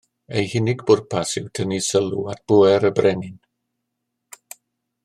Eu hunig bwrpas yw tynnu sylw at bŵer y brenin